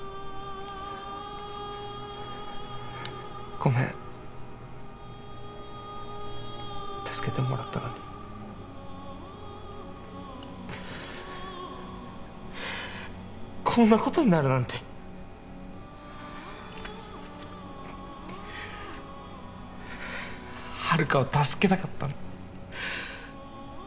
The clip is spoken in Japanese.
ごめん助けてもらったのにこんなことになるなんて遙を助けたかったんだ